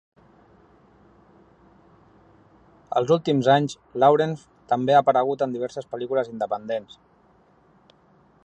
Els últims anys, Lawrence també ha aparegut en diverses pel·lícules independents.